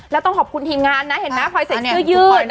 แล้วต้องขอบคุณทีมงานนะเห็นไหมคอยใส่เสื้อยืด